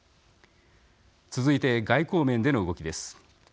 続いて、外交面での動きです。